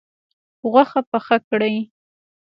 غوښه پخه کړئ